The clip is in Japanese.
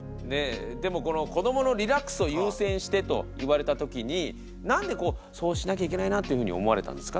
でもこの子どものリラックスを優先してと言われた時になんでそうしなきゃいけないなというふうに思われたんですか？